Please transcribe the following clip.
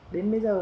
đến bây giờ